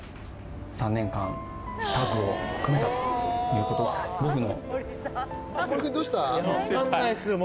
３年間タッグを組めたということは僕の。